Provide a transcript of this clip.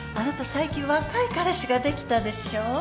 最近若い彼氏ができたでしょう。